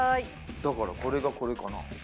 だからこれがこれかな？